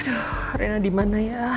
aduh rina dimana ya